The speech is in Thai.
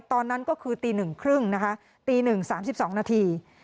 ตอนนั้นก็คือตีหนึ่งครึ่งนะคะตีหนึ่งสามสิบสองนาที